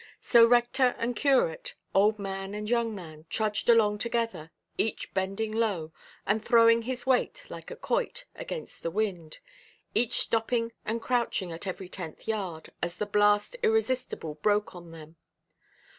So rector and curate, old man and young man, trudged along together, each bending low, and throwing his weight, like a quoit, against the wind; each stopping and crouching at every tenth yard, as the blast irresistible broke on them.